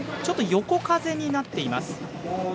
ちょっと横風になっています。